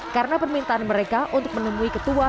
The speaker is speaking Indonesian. karena permintaan mereka untuk menemui ketua